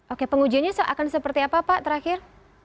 oke pengujiannya akan seperti apa pak terakhir